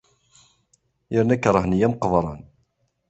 Yerna kerhen-iyi am qeḍran.